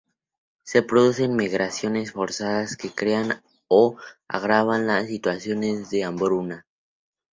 Se producen migraciones forzadas que crean o agravan las situaciones de hambruna.